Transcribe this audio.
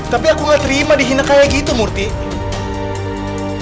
tapi aku nggak terima dihina kayak gitu murtih